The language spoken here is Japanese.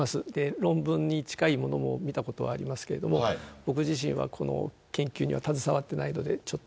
論文に近いものも見たことはありますけれども、僕自身はこの研究には携わってないので、ちょっと。